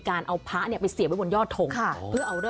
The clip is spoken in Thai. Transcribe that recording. ใครชนะกลับมา